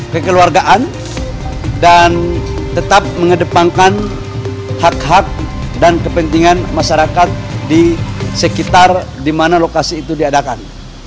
kekeluargaan dan tetap mengedepankan hak hak dan kepentingan masyarakat di sekitar di mana lokasi itu diadakan